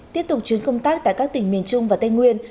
tiếp tục chuyến công tác tại các tỉnh miền trung và tây nguyên